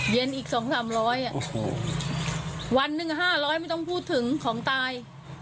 เย็นอีกสองสามร้อยอ่ะวันนึงห้าร้อยไม่ต้องพูดถึงของตาย